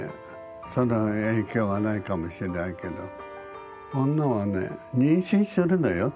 その影響はないかもしれないけど女はね妊娠するのよ。